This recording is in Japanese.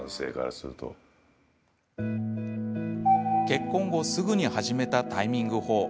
結婚後、すぐに始めたタイミング法。